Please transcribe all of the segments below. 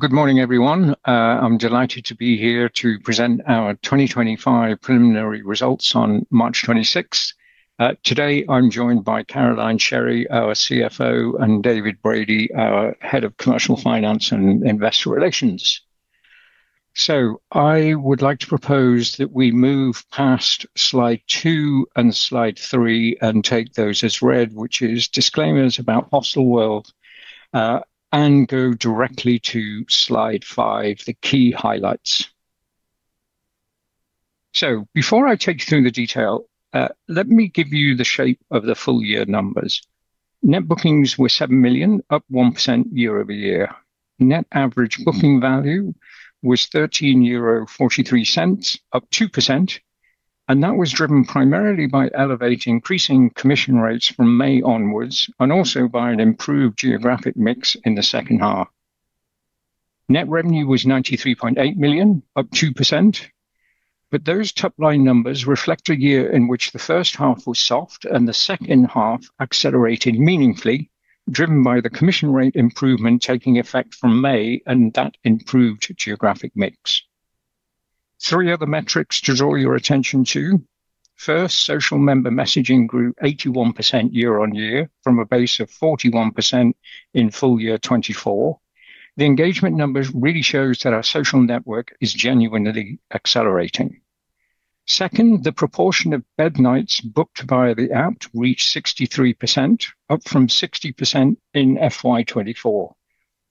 Good morning, everyone. I'm delighted to be here to present our 2025 preliminary results on March 26. Today, I'm joined by Caroline Sherry, our CFO, and David Brady, our Head of Commercial Finance and Investor Relations. I would like to propose that we move past slide 2 and slide 3 and take those as read, which is disclaimers about Hostelworld, and go directly to slide 5, the key highlights. Before I take you through the detail, let me give you the shape of the full year numbers. Net bookings were 7 million, up 1% year-over-year. Net average booking value was EUR 13.43, up 2%, and that was driven primarily by Elevate increasing commission rates from May onwards and also by an improved geographic mix in the second half. Net revenue was 93.8 million, up 2%. Those top line numbers reflect a year in which the first half was soft and the second half accelerated meaningfully, driven by the commission rate improvement taking effect from May and that improved geographic mix. Three other metrics to draw your attention to. First, social member messaging grew 81% year-on-year from a base of 41% in full year 2024. The engagement numbers really shows that our social network is genuinely accelerating. Second, the proportion of bed nights booked via the app reached 63%, up from 60% in FY 2024.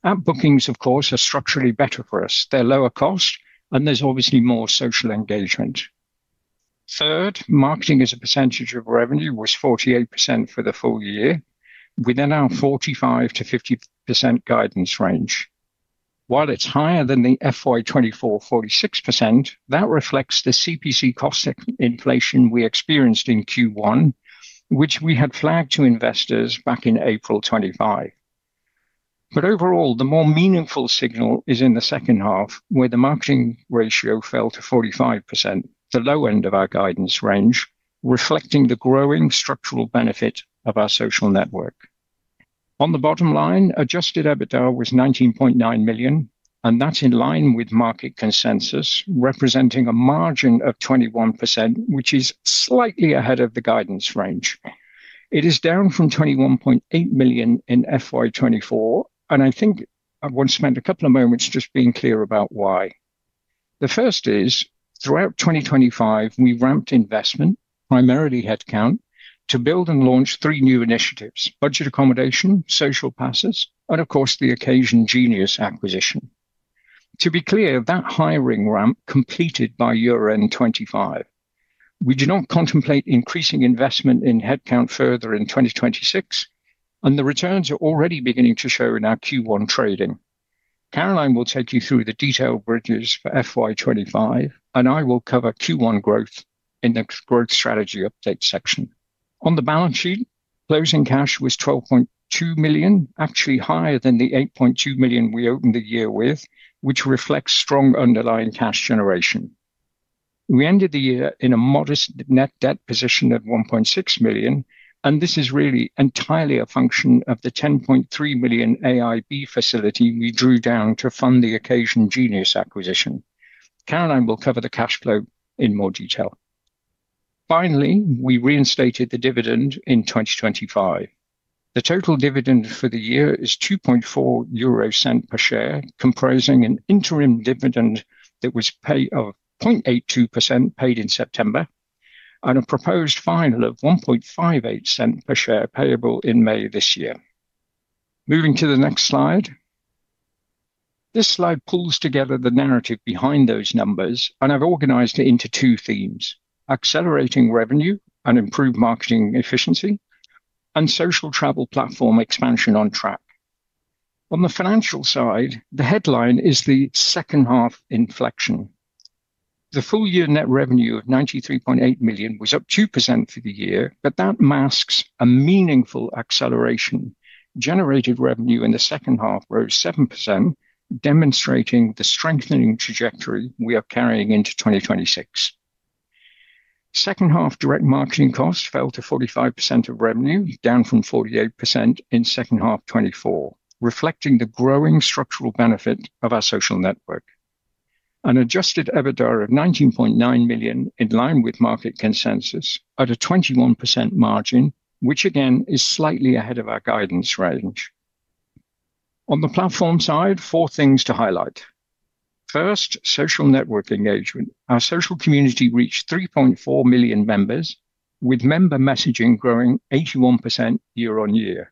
App bookings, of course, are structurally better for us. They're lower cost, and there's obviously more social engagement. Third, marketing as a percentage of revenue was 48% for the full year, within our 45%-50% guidance range. While it's higher than the FY 2024 46%, that reflects the CPC cost inflation we experienced in Q1, which we had flagged to investors back in April 2025. Overall, the more meaningful signal is in the second half, where the marketing ratio fell to 45%, the low end of our guidance range, reflecting the growing structural benefit of our social network. On the bottom line, adjusted EBITDA was 19.9 million, and that's in line with market consensus, representing a margin of 21%, which is slightly ahead of the guidance range. It is down from 21.8 million in FY 2024, and I think I want to spend a couple of moments just being clear about why. The first is, throughout 2025, we ramped investment, primarily headcount, to build and launch three new initiatives, budget accommodation, Social Passes, and of course, the OccasionGenius acquisition. To be clear, that hiring ramp completed by year-end 2025. We do not contemplate increasing investment in headcount further in 2026, and the returns are already beginning to show in our Q1 trading. Caroline will take you through the detailed bridges for FY 2025, and I will cover Q1 growth in the growth strategy update section. On the balance sheet, closing cash was 12.2 million, actually higher than the 8.2 million we opened the year with, which reflects strong underlying cash generation. We ended the year in a modest net debt position at 1.6 million, and this is really entirely a function of the 10.3 million AIB facility we drew down to fund the OccasionGenius acquisition. Caroline will cover the cash flow in more detail. Finally, we reinstated the dividend in 2025. The total dividend for the year is 0.024 per share, comprising an interim dividend that was paid of 0.0082 paid in September and a proposed final of 0.0158 per share payable in May this year. Moving to the next slide. This slide pulls together the narrative behind those numbers, and I've organized it into two themes: accelerating revenue and improved marketing efficiency and social travel platform expansion on track. On the financial side, the headline is the second half inflection. The full year net revenue of 93.8 million was up 2% for the year, but that masks a meaningful acceleration. Generated revenue in the second half rose 7%, demonstrating the strengthening trajectory we are carrying into 2026. Second half direct marketing costs fell to 45% of revenue, down from 48% in second half 2024, reflecting the growing structural benefit of our social network. An adjusted EBITDA of 19.9 million, in line with market consensus at a 21% margin, which again, is slightly ahead of our guidance range. On the platform side, four things to highlight. First, social network engagement. Our social community reached 3.4 million members, with member messaging growing 81% year-on-year.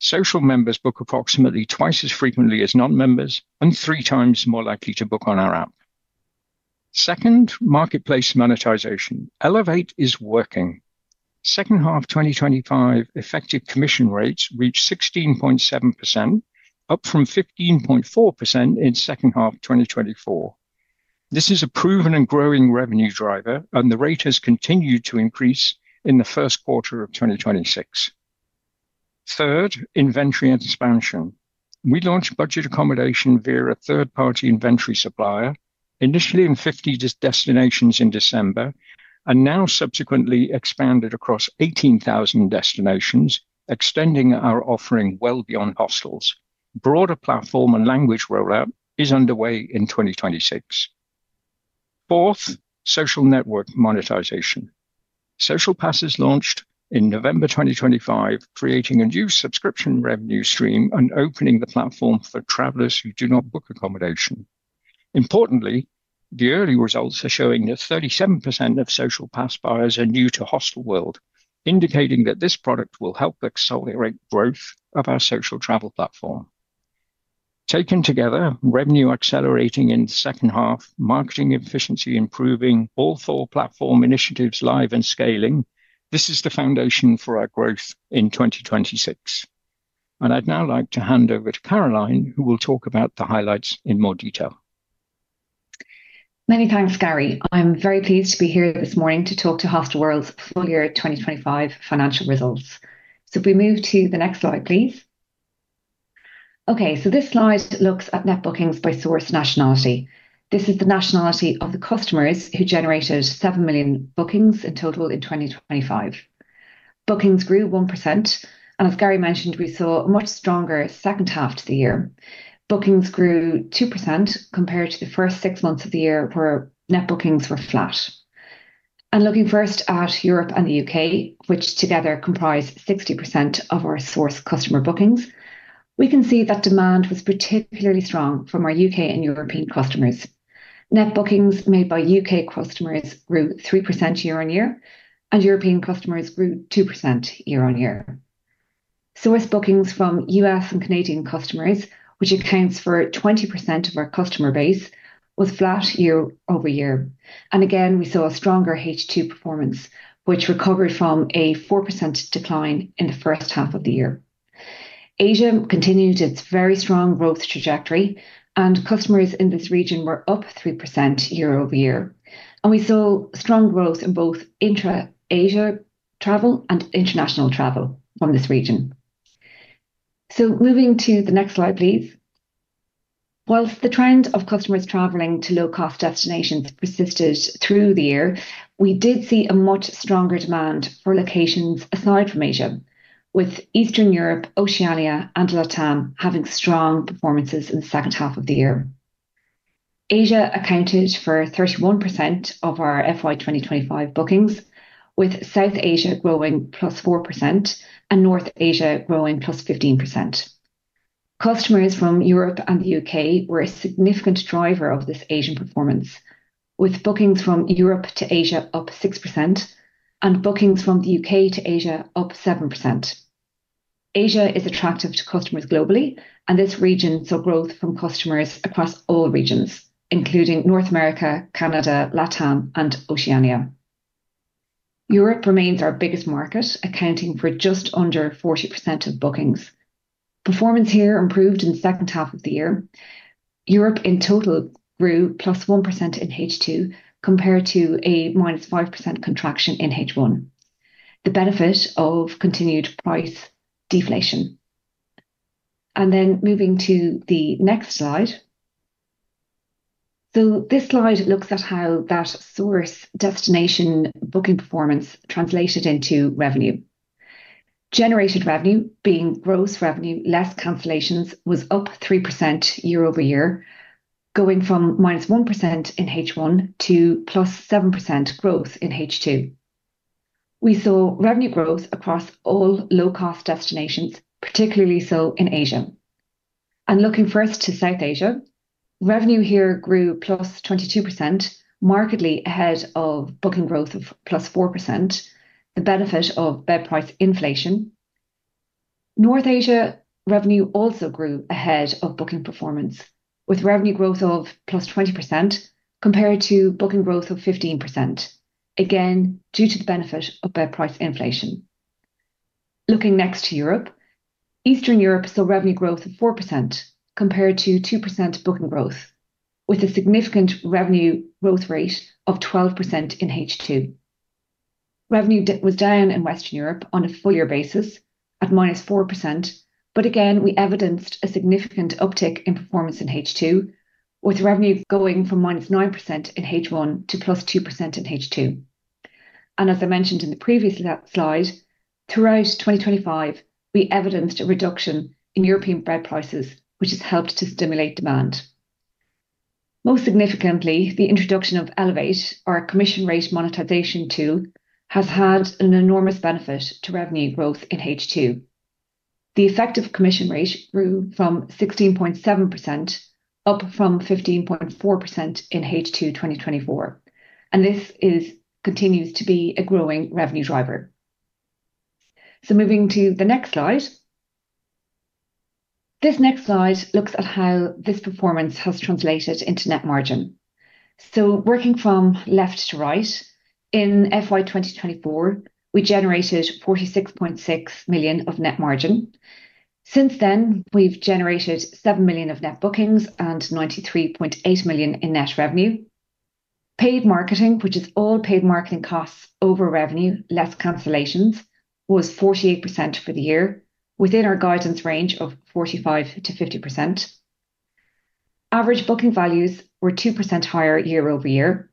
Social members book approximately twice as frequently as non-members and three times more likely to book on our app. Second, marketplace monetization. Elevate is working. Second half 2025 effective commission rates reached 16.7%, up from 15.4% in second half 2024. This is a proven and growing revenue driver, and the rate has continued to increase in the first quarter of 2026. Third, inventory and expansion. We launched budget accommodation via a third-party inventory supplier. Initially in 50 destinations in December, and now subsequently expanded across 18,000 destinations, extending our offering well beyond hostels. Broader platform and language rollout is underway in 2026. Fourth, social network monetization. Social Passes launched in November 2025, creating a new subscription revenue stream and opening the platform for travelers who do not book accommodation. Importantly, the early results are showing that 37% of Social Passes buyers are new to Hostelworld, indicating that this product will help accelerate growth of our social travel platform. Taken together, revenue accelerating in the second half, marketing efficiency improving, all four platform initiatives live and scaling, this is the foundation for our growth in 2026. I'd now like to hand over to Caroline, who will talk about the highlights in more detail. Many thanks, Gary. I'm very pleased to be here this morning to talk to Hostelworld's full year 2025 financial results. If we move to the next slide, please. Okay, this slide looks at net bookings by source nationality. This is the nationality of the customers who generated 7 million bookings in total in 2025. Bookings grew 1%, and as Gary mentioned, we saw a much stronger second half to the year. Bookings grew 2% compared to the first six months of the year, where net bookings were flat. Looking first at Europe and the U.K., which together comprise 60% of our source customer bookings, we can see that demand was particularly strong from our U.K. and European customers. Net bookings made by U.K. customers grew 3% year-on-year, and European customers grew 2% year-on-year. Sourced bookings from U.S. and Canadian customers, which accounts for 20% of our customer base, was flat year-over-year. Again, we saw a stronger H2 performance, which recovered from a 4% decline in the first half of the year. Asia continued its very strong growth trajectory, and customers in this region were up 3% year-over-year. We saw strong growth in both intra-Asia travel and international travel from this region. Moving to the next slide, please. While the trend of customers traveling to low-cost destinations persisted through the year, we did see a much stronger demand for locations aside from Asia, with Eastern Europe, Oceania and LATAM having strong performances in the second half of the year. Asia accounted for 31% of our FY 2025 bookings, with South Asia growing +4% and North Asia growing +15%. Customers from Europe and the U.K. were a significant driver of this Asian performance, with bookings from Europe to Asia up 6% and bookings from the U.K. to Asia up 7%. Asia is attractive to customers globally, and this region saw growth from customers across all regions, including North America, Canada, LATAM and Oceania. Europe remains our biggest market, accounting for just under 40% of bookings. Performance here improved in the second half of the year. Europe in total grew +1% in H2, compared to a -5% contraction in H1, the benefit of continued price deflation. Moving to the next slide. This slide looks at how that source destination booking performance translated into revenue. Generated revenue, being gross revenue less cancellations, was up 3% year-over-year, going from -1% in H1 to +7% growth in H2. We saw revenue growth across all low-cost destinations, particularly so in Asia. Looking first to South Asia, revenue here grew +22%, markedly ahead of booking growth of +4%, the benefit of bed price inflation. North Asia revenue also grew ahead of booking performance, with revenue growth of +20% compared to booking growth of 15%, again, due to the benefit of bed price inflation. Looking next to Europe, Eastern Europe saw revenue growth of 4% compared to 2% booking growth, with a significant revenue growth rate of 12% in H2. Revenue was down in Western Europe on a full year basis at -4%. Again, we evidenced a significant uptick in performance in H2, with revenue going from -9% in H1 to +2% in H2. As I mentioned in the previous slide, throughout 2025, we evidenced a reduction in European bed prices, which has helped to stimulate demand. Most significantly, the introduction of Elevate, our commission rate monetization tool, has had an enormous benefit to revenue growth in H2. The effective commission rate grew from 16.7%, up from 15.4% in H2 2024, and this continues to be a growing revenue driver. Moving to the next slide. This next slide looks at how this performance has translated into net margin. Working from left to right, in FY 2024, we generated 46.6 million of net margin. Since then, we've generated 7 million of net bookings and 93.8 million in net revenue. Paid marketing, which is all paid marketing costs over revenue, less cancellations, was 48% for the year, within our guidance range of 45%-50%. Average booking values were 2% higher year-over-year.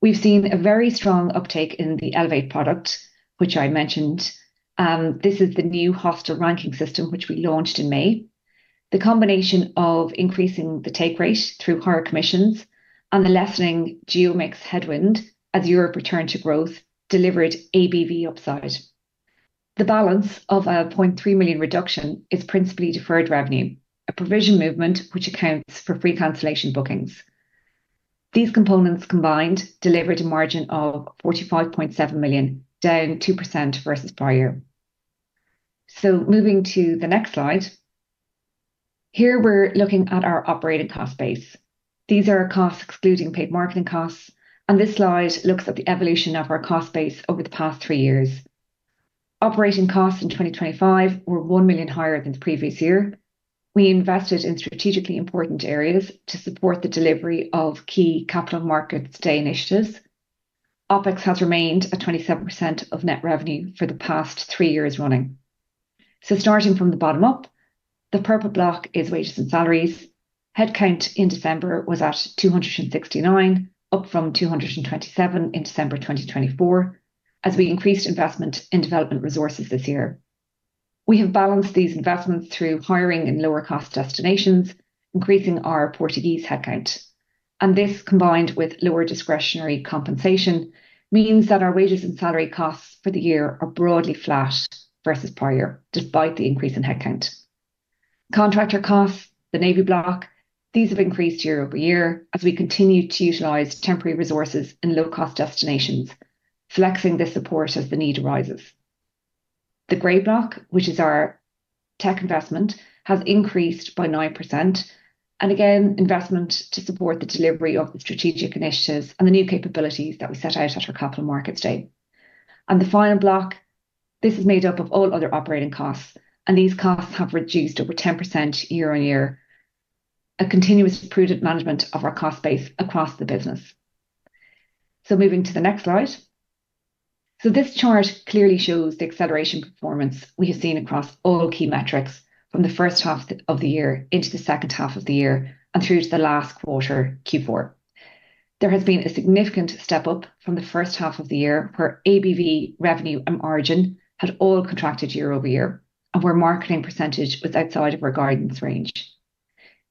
We've seen a very strong uptake in the Elevate product, which I mentioned. This is the new hostel ranking system which we launched in May. The combination of increasing the take rate through higher commissions and the lessening geo-mix headwind as Europe returned to growth delivered ABV upside. The balance of our 0.3 million reduction is principally deferred revenue, a provision movement which accounts for free cancellation bookings. These components combined delivered a margin of 45.7 million, down 2% versus prior. Moving to the next slide. Here, we're looking at our operating cost base. These are our costs excluding paid marketing costs, and this slide looks at the evolution of our cost base over the past three years. Operating costs in 2025 were 1 million higher than the previous year. We invested in strategically important areas to support the delivery of key Capital Markets Day initiatives. OpEx has remained at 27% of net revenue for the past three years running. Starting from the bottom up, the purple block is wages and salaries. Headcount in December was at 269, up from 227 in December 2024, as we increased investment in development resources this year. We have balanced these investments through hiring in lower cost destinations, increasing our Portuguese headcount. This, combined with lower discretionary compensation, means that our wages and salary costs for the year are broadly flat versus prior year, despite the increase in headcount. Contractor costs, the navy block, these have increased year-over-year as we continue to utilize temporary resources in low-cost destinations, flexing the support as the need arises. The gray block, which is our tech investment, has increased by 9%. Again, investment to support the delivery of the strategic initiatives and the new capabilities that we set out at our Capital Markets Day. The final block, this is made up of all other operating costs, and these costs have reduced over 10% year-on-year. A continuous prudent management of our cost base across the business. Moving to the next slide. This chart clearly shows the acceleration performance we have seen across all key metrics from the first half of the year into the second half of the year and through to the last quarter, Q4. There has been a significant step up from the first half of the year, where ABV, revenue and margin had all contracted year-over-year, and where marketing percentage was outside of our guidance range.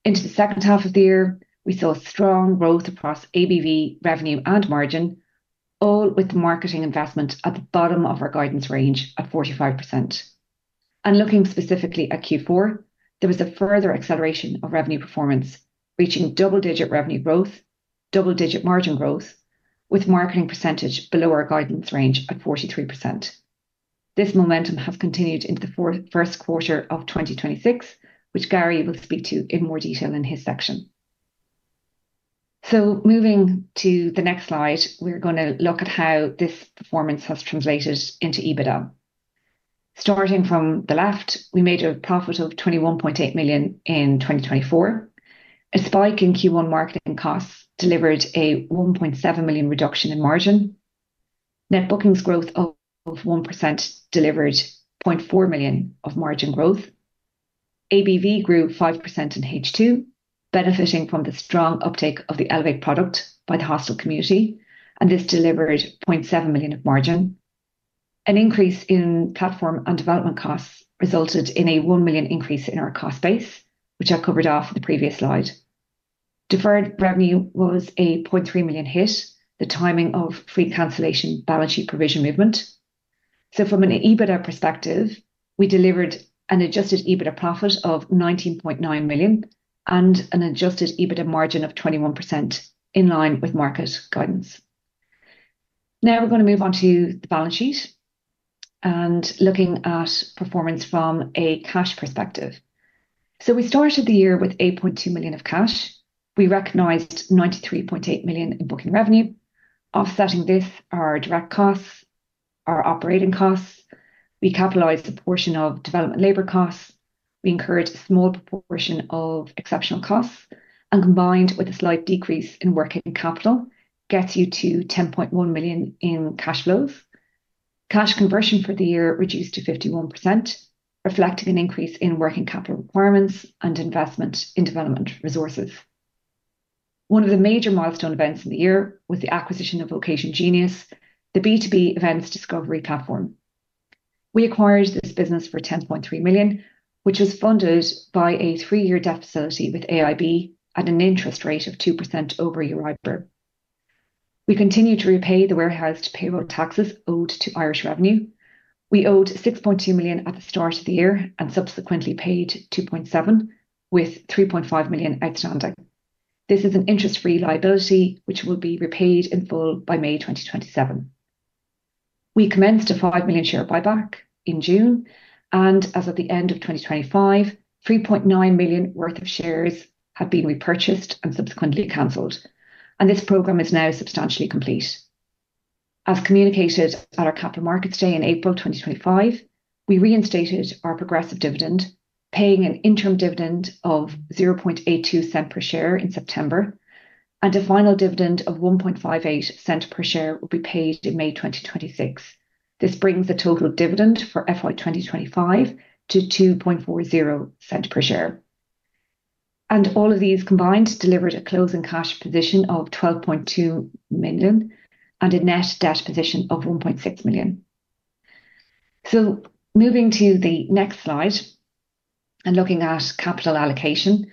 Into the second half of the year, we saw strong growth across ABV, revenue and margin, all with marketing investment at the bottom of our guidance range at 45%. Looking specifically at Q4, there was a further acceleration of revenue performance, reaching double-digit revenue growth, double-digit margin growth, with marketing percentage below our guidance range at 43%. This momentum has continued into the first quarter of 2026, which Gary will speak to in more detail in his section. Moving to the next slide, we're gonna look at how this performance has translated into EBITDA. Starting from the left, we made a profit of 21.8 million in 2024. A spike in Q1 marketing costs delivered a 1.7 million reduction in margin. Net bookings growth of 1% delivered 0.4 million of margin growth. ABV grew 5% in H2, benefiting from the strong uptake of the Elevate product by the hostel community, and this delivered 0.7 million of margin. An increase in platform and development costs resulted in a 1 million increase in our cost base, which I've covered off in the previous slide. Deferred revenue was a 0.3 million hit. The timing of free cancellation balance sheet provision movement. From an EBITDA perspective, we delivered an adjusted EBITDA profit of 19.9 million and an adjusted EBITDA margin of 21%, in line with market guidance. Now we're gonna move on to the balance sheet and looking at performance from a cash perspective. We started the year with 8.2 million of cash. We recognized 93.8 million in booking revenue. Offsetting this, our direct costs, our operating costs, we capitalized a portion of development labor costs. We incurred a small proportion of exceptional costs, and combined with a slight decrease in working capital, gets you to 10.1 million in cash flows. Cash conversion for the year reduced to 51%, reflecting an increase in working capital requirements and investment in development resources. One of the major milestone events in the year was the acquisition of OccasionGenius, the B2B events discovery platform. We acquired this business for 10.3 million, which was funded by a three-year debt facility with AIB at an interest rate of 2% over Euribor. We continued to repay the warehoused payroll taxes owed to Irish Revenue. We owed 6.2 million at the start of the year and subsequently paid 2.7 million, with 3.5 million outstanding. This is an interest-free liability, which will be repaid in full by May 2027. We commenced a 5 million share buyback in June, and as of the end of 2025, 3.9 million worth of shares have been repurchased and subsequently canceled, and this program is now substantially complete. As communicated at our Capital Markets Day in April 2025, we reinstated our progressive dividend, paying an interim dividend of 0.0082 per share in September, and a final dividend of 0.0158 per share will be paid in May 2026. This brings the total dividend for FY 2025 to 0.0240 per share. All of these combined delivered a closing cash position of 12.2 million and a net debt position of 1.6 million. Moving to the next slide and looking at capital allocation.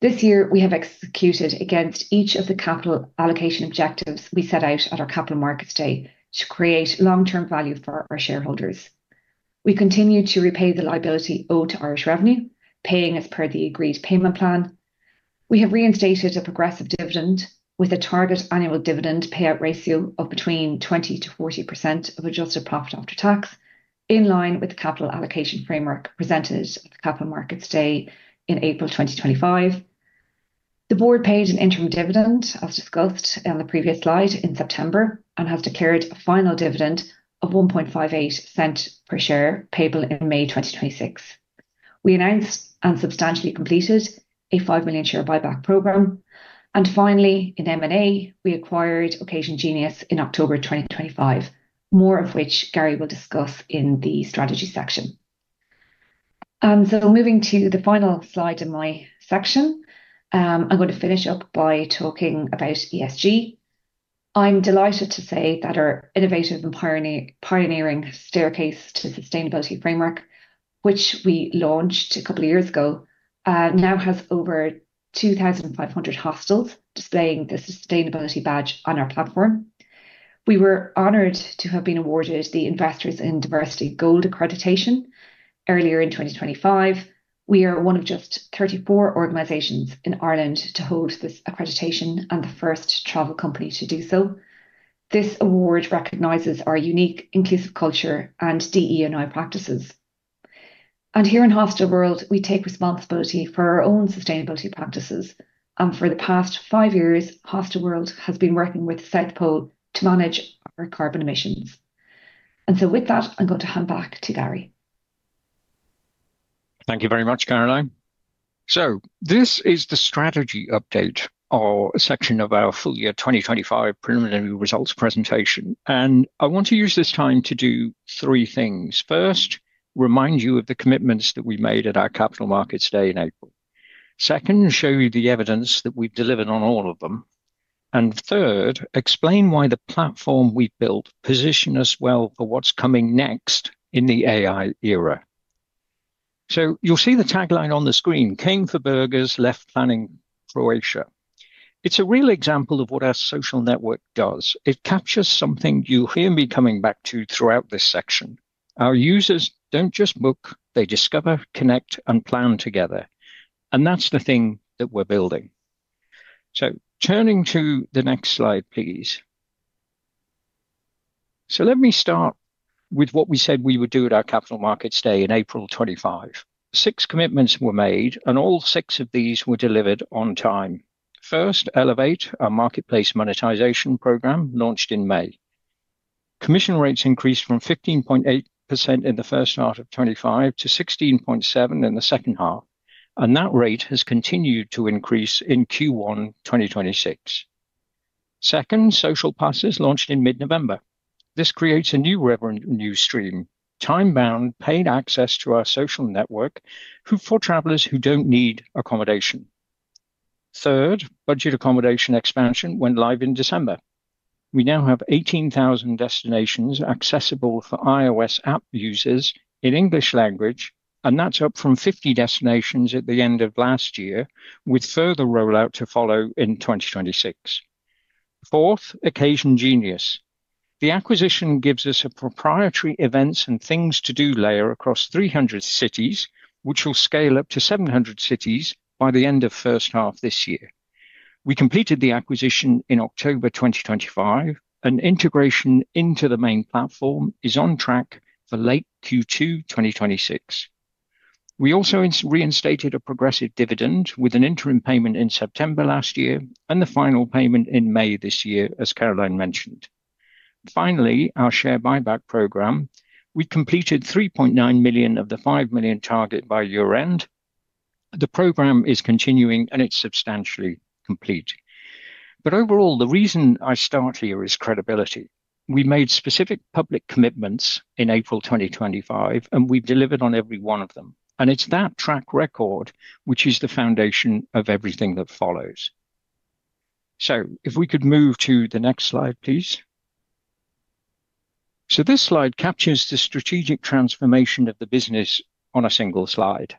This year, we have executed against each of the capital allocation objectives we set out at our Capital Markets Day to create long-term value for our shareholders. We continue to repay the liability owed to Irish Revenue, paying as per the agreed payment plan. We have reinstated a progressive dividend with a target annual dividend payout ratio of between 20%-40% of adjusted profit after tax, in line with the capital allocation framework presented at the Capital Markets Day in April 2025. The board paid an interim dividend, as discussed on the previous slide, in September and has declared a final dividend of 0.0158 per share payable in May 2026. We announced and substantially completed a 5 million share buyback program. Finally, in M&A, we acquired OccasionGenius in October 2025. More of which Gary will discuss in the strategy section. So moving to the final slide in my section, I'm gonna finish up by talking about ESG. I'm delighted to say that our innovative and pioneering Staircase to Sustainability framework, which we launched a couple of years ago, now has over 2,500 hostels displaying the sustainability badge on our platform. We were honored to have been awarded the Investors in Diversity Gold Accreditation earlier in 2025. We are one of just 34 organizations in Ireland to hold this accreditation and the first travel company to do so. This award recognizes our unique inclusive culture and DE&I practices. Here in Hostelworld, we take responsibility for our own sustainability practices. For the past five years, Hostelworld has been working with South Pole to manage our carbon emissions. With that, I'm going to hand back to Gary. Thank you very much, Caroline. This is the strategy update or section of our full year 2025 preliminary results presentation, and I want to use this time to do three things. First, remind you of the commitments that we made at our Capital Markets Day in April. Second, show you the evidence that we've delivered on all of them. Third, explain why the platform we built position us well for what's coming next in the AI era. You'll see the tagline on the screen, "Came for burgers, left planning Croatia." It's a real example of what our social network does. It captures something you'll hear me coming back to throughout this section. Our users don't just book, they discover, connect, and plan together, and that's the thing that we're building. Turning to the next slide, please. Let me start with what we said we would do at our Capital Markets Day in April 2025. Six commitments were made, and all six of these were delivered on time. First, Elevate, our marketplace monetization program, launched in May. Commission rates increased from 15.8% in the first half of 2025 to 16.7% in the second half, and that rate has continued to increase in Q1 2026. Second, Social Passes launched in mid-November. This creates a new revenue stream, time-bound paid access to our social network for travelers who don't need accommodation. Third, Budget Accommodation expansion went live in December. We now have 18,000 destinations accessible for iOS app users in English language, and that's up from 50 destinations at the end of last year, with further rollout to follow in 2026. Fourth, OccasionGenius. The acquisition gives us a proprietary events and things to do layer across 300 cities, which will scale up to 700 cities by the end of first half this year. We completed the acquisition in October 2025, and integration into the main platform is on track for late Q2 2026. We also reinstated a progressive dividend with an interim payment in September last year and the final payment in May this year, as Caroline mentioned. Finally, our share buyback program. We completed 3.9 million of the 5 million target by year-end. The program is continuing, and it's substantially complete. Overall, the reason I start here is credibility. We made specific public commitments in April 2025, and we've delivered on every one of them. It's that track record which is the foundation of everything that follows. If we could move to the next slide, please. This slide captures the strategic transformation of the business on a single slide.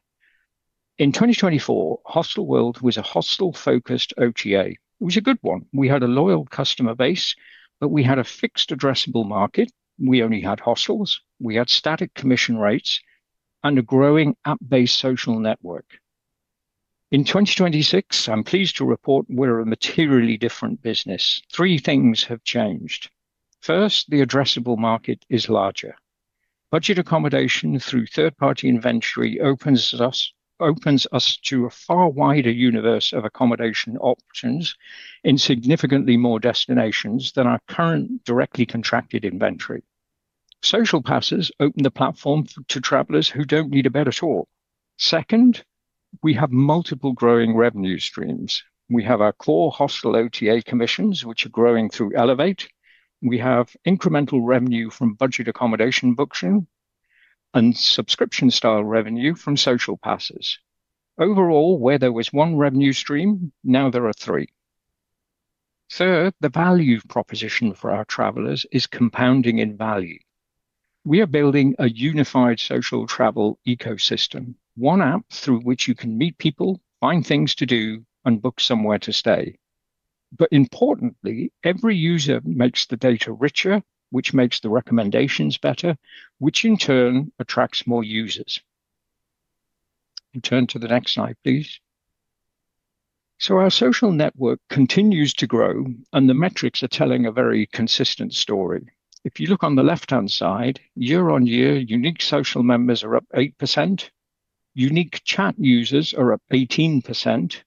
In 2024, Hostelworld was a hostel-focused OTA. It was a good one. We had a loyal customer base, but we had a fixed addressable market. We only had hostels. We had static commission rates and a growing app-based social network. In 2026, I'm pleased to report we're a materially different business. Three things have changed. First, the addressable market is larger. Budget accommodation through third-party inventory opens us to a far wider universe of accommodation options in significantly more destinations than our current directly contracted inventory. Social Passes open the platform to travelers who don't need a bed at all. Second, we have multiple growing revenue streams. We have our core hostel OTA commissions, which are growing through Elevate. We have incremental revenue from budget accommodation booking and subscription-style revenue from Social Passes. Overall, where there was one revenue stream, now there are three. Third, the value proposition for our travelers is compounding in value. We are building a unified social travel ecosystem, one app through which you can meet people, find things to do, and book somewhere to stay. Importantly, every user makes the data richer, which makes the recommendations better, which in turn attracts more users. Turn to the next slide, please. Our social network continues to grow, and the metrics are telling a very consistent story. If you look on the left-hand side, year-on-year unique social members are up 8%, unique chat users are up 18%,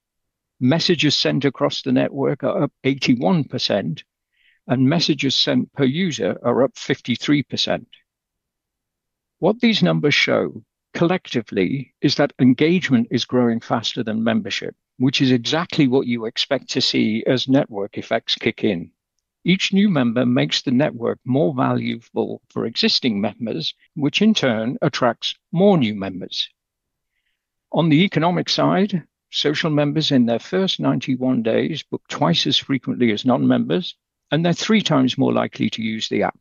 messages sent across the network are up 81%, and messages sent per user are up 53%. What these numbers show collectively is that engagement is growing faster than membership, which is exactly what you expect to see as network effects kick in. Each new member makes the network more valuable for existing members, which in turn attracts more new members. On the economic side, social members in their first 91 days book twice as frequently as non-members, and they're three times more likely to use the app.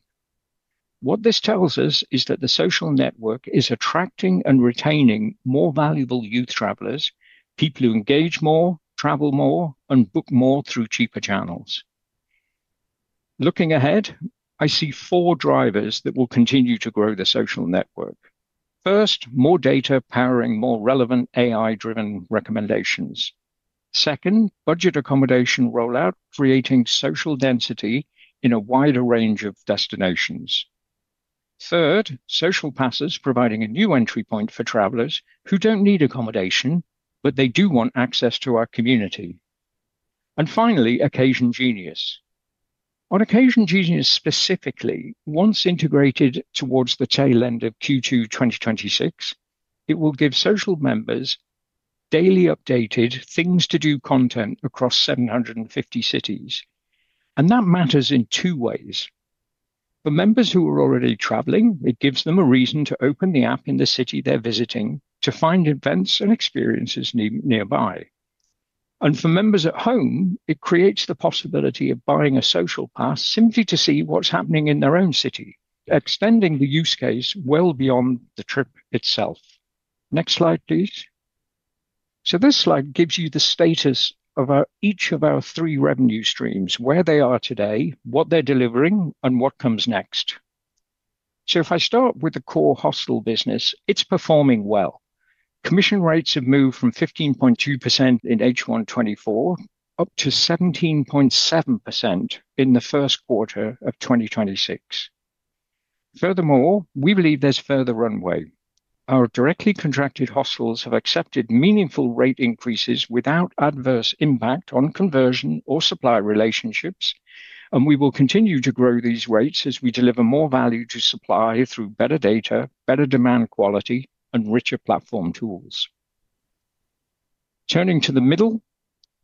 What this tells us is that the social network is attracting and retaining more valuable youth travelers, people who engage more, travel more, and book more through cheaper channels. Looking ahead, I see four drivers that will continue to grow the social network. First, more data powering more relevant AI-driven recommendations. Second, budget accommodation rollout creating social density in a wider range of destinations. Third, Social Passes providing a new entry point for travelers who don't need accommodation, but they do want access to our community. Finally, OccasionGenius. On OccasionGenius specifically, once integrated towards the tail end of Q2 2026, it will give social members daily updated things to do content across 750 cities. That matters in two ways. For members who are already traveling, it gives them a reason to open the app in the city they're visiting to find events and experiences nearby. For members at home, it creates the possibility of buying a social pass simply to see what's happening in their own city, extending the use case well beyond the trip itself. Next slide, please. This slide gives you the status of each of our three revenue streams, where they are today, what they're delivering, and what comes next. If I start with the core hostel business, it's performing well. Commission rates have moved from 15.2% in H1 2024 up to 17.7% in the first quarter of 2026. Furthermore, we believe there's further runway. Our directly contracted hostels have accepted meaningful rate increases without adverse impact on conversion or supply relationships, and we will continue to grow these rates as we deliver more value to supply through better data, better demand quality, and richer platform tools. Turning to the middle,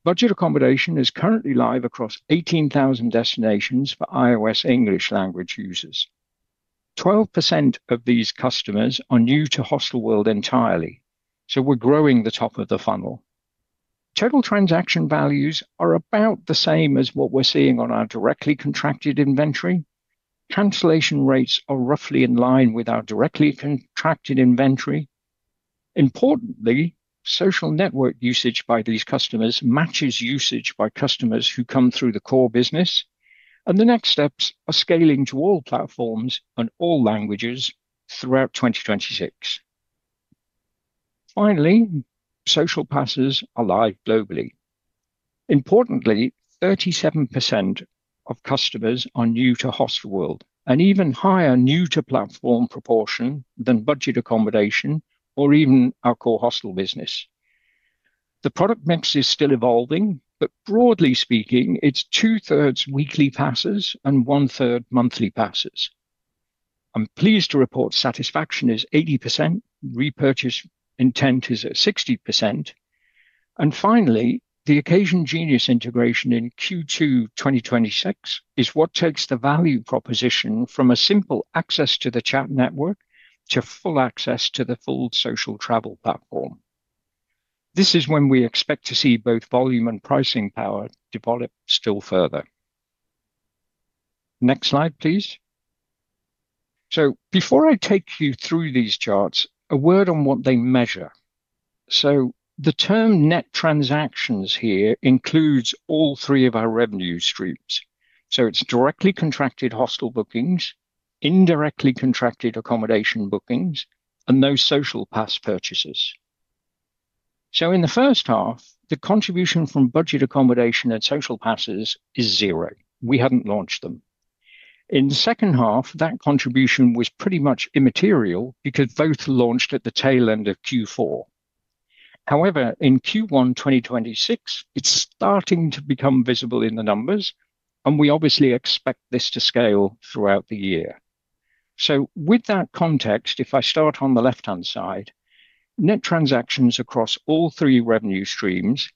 budget accommodation is currently live across 18,000 destinations for iOS English language users. 12% of these customers are new to Hostelworld entirely, so we're growing the top of the funnel. Total transaction values are about the same as what we're seeing on our directly contracted inventory. Cancellation rates are roughly in line with our directly contracted inventory. Importantly, social network usage by these customers matches usage by customers who come through the core business. The next steps are scaling to all platforms and all languages throughout 2026. Finally, Social Passes are live globally. Importantly, 37% of customers are new to Hostelworld, an even higher new to platform proportion than budget accommodation or even our core hostel business. The product mix is still evolving, but broadly speaking, it's two-thirds weekly passes and one-third monthly passes. I'm pleased to report satisfaction is 80%, repurchase intent is at 60%. Finally, the OccasionGenius integration in Q2 2026 is what takes the value proposition from a simple access to the chat network to full access to the full social travel platform. This is when we expect to see both volume and pricing power develop still further. Next slide, please. Before I take you through these charts, a word on what they measure. The term net transactions here includes all three of our revenue streams. It's directly contracted hostel bookings, indirectly contracted accommodation bookings, and those Social Passes purchases. In the first half, the contribution from budget accommodation and Social Passes is zero. We hadn't launched them. In the second half, that contribution was pretty much immaterial because both launched at the tail end of Q4. However, in Q1 2026, it's starting to become visible in the numbers, and we obviously expect this to scale throughout the year. With that context, if I start on the left-hand side, net transactions across all three revenue streams,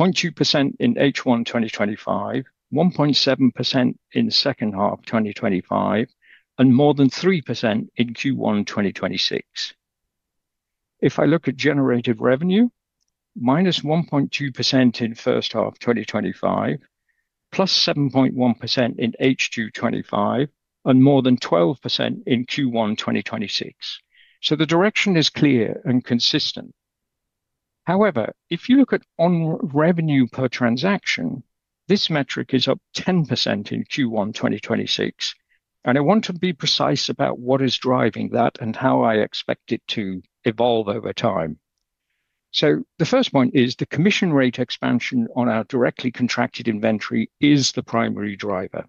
0.2% in H1 2025, 1.7% in second half 2025, and more than 3% in Q1 2026. If I look at generated revenue, -1.2% in first half 2025, +7.1% in H2 2025, and more than 12% in Q1 2026. The direction is clear and consistent. However, if you look at revenue per transaction, this metric is up 10% in Q1 2026, and I want to be precise about what is driving that and how I expect it to evolve over time. The first point is the commission rate expansion on our directly contracted inventory is the primary driver.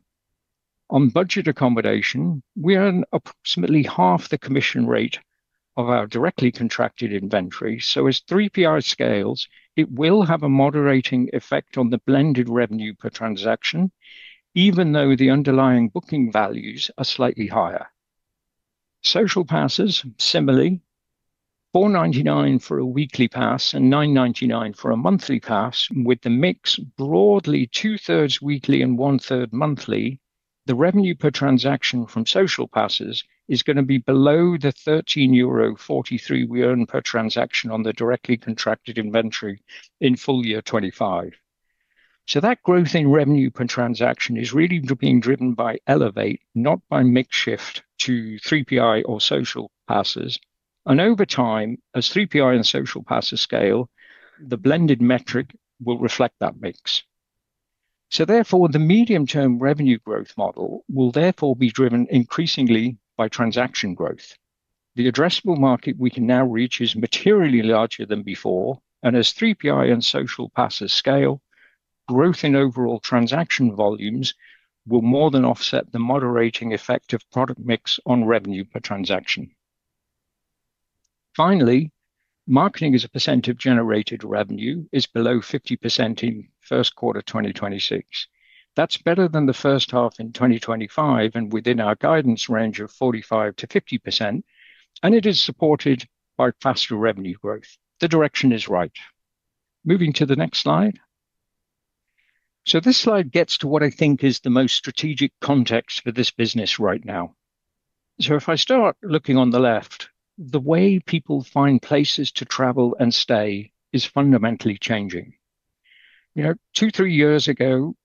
On budget accommodation, we earn approximately half the commission rate of our directly contracted inventory. As 3PI scales, it will have a moderating effect on the blended revenue per transaction, even though the underlying booking values are slightly higher. Social Passes, similarly, 4.99 for a weekly pass and 9.99 for a monthly pass, with the mix broadly two-thirds weekly and one-third monthly. The revenue per transaction from Social Passes is gonna be below the 13.43 euro we earn per transaction on the directly contracted inventory in full year 2025. That growth in revenue per transaction is really being driven by Elevate, not by mix shift to 3PI or Social Passes. Over time, as 3PI and Social Passes scale, the blended metric will reflect that mix. The medium-term revenue growth model will therefore be driven increasingly by transaction growth. The addressable market we can now reach is materially larger than before, and as 3PI and Social Passes scale, growth in overall transaction volumes will more than offset the moderating effect of product mix on revenue per transaction. Finally, marketing as a percent of generated revenue is below 50% in first quarter 2026. That's better than the first half in 2025 and within our guidance range of 45%-50%, and it is supported by faster revenue growth. The direction is right. Moving to the next slide. This slide gets to what I think is the most strategic context for this business right now. If I start looking on the left, the way people find places to travel and stay is fundamentally changing. You know, two to three years ago,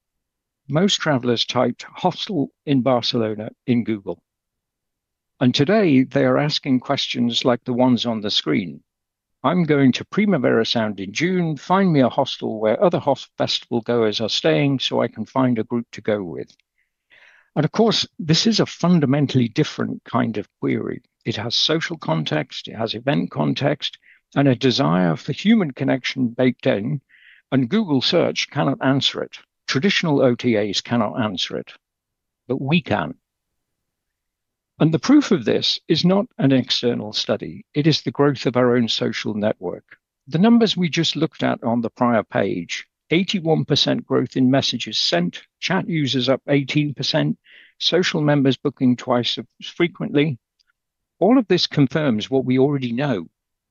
most travelers typed hostel in Barcelona in Google. Today, they are asking questions like the ones on the screen. I'm going to Primavera Sound in June. Find me a hostel where other hostel festival goers are staying so I can find a group to go with. Of course, this is a fundamentally different kind of query. It has social context, it has event context, and a desire for human connection baked in, and Google Search cannot answer it. Traditional OTAs cannot answer it, but we can. The proof of this is not an external study. It is the growth of our own social network. The numbers we just looked at on the prior page, 81% growth in messages sent, chat users up 18%, social members booking twice as frequently. All of this confirms what we already know.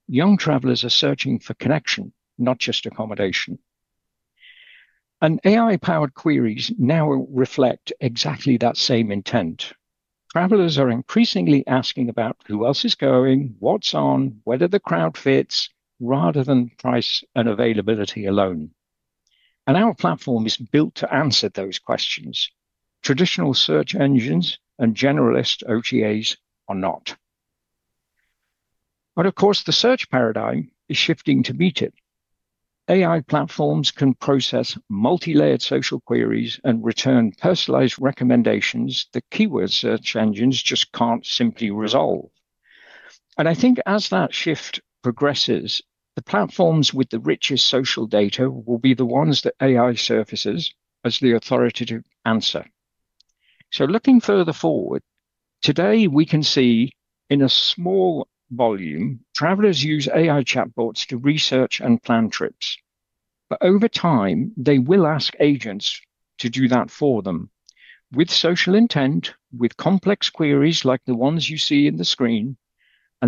Young travelers are searching for connection, not just accommodation. AI-powered queries now reflect exactly that same intent. Travelers are increasingly asking about who else is going, what's on, whether the crowd fits, rather than price and availability alone. Our platform is built to answer those questions. Traditional search engines and generalist OTAs are not. Of course, the search paradigm is shifting to meet it. AI platforms can process multilayered social queries and return personalized recommendations the keyword search engines just can't simply resolve. I think as that shift progresses, the platforms with the richest social data will be the ones that AI surfaces as the authoritative answer. Looking further forward, today, we can see in a small volume, travelers use AI chatbots to research and plan trips. Over time, they will ask agents to do that for them with social intent, with complex queries like the ones you see in the screen.